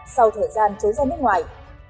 sau thời gian trốn ra nước ngoài